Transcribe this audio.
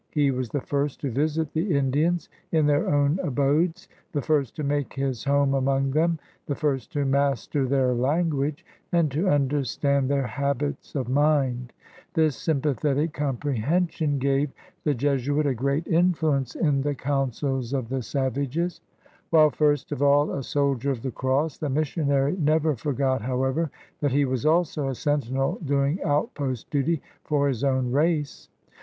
He was the first to visit the Indians in their own abodes, the first to make his home among them, the first to master their language and to under stand their habits of mind. This sympathetic comprehension gave the Jesuit a great influence THE COUREURS DE BOIS 157 in the councils of the savages. While first of all a soldier of the Cross, the missionary never forgot, however, that he was also a sentinel doing outpost duty for his own race.